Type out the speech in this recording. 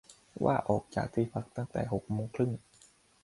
ว่าออกจากที่พักตั้งแต่หกโมงครึ่ง